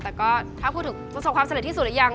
แต่ก็ถ้าพูดถึงประสบความเสร็จที่สุดอย่าง